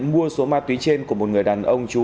mua số ma túy trên của một người đàn ông chú